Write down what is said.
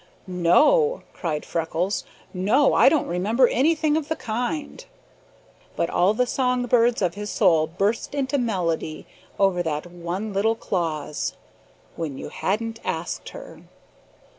"No!" cried Freckles. "No! I don't remember anything of the kind!" But all the songbirds of his soul burst into melody over that one little clause: "When you hadn't asked her."